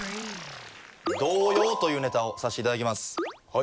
「童謡」というネタをさしていただきます